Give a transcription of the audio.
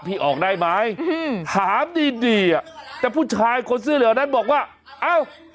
ออกได้ไหมอืมถามดีดีอ่ะแต่ผู้ชายคนเสื้อเหลืองนั้นบอกว่าเอ้า